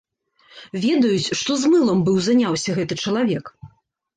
Ведаюць, што з мылам быў заняўся гэты чалавек.